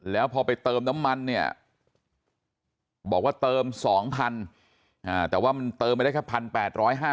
แล้วพอไปเติมน้ำมันเนี่ยบอกว่าเติม๒๐๐๐แต่ว่ามันเติมไปได้แค่๑๘๕๐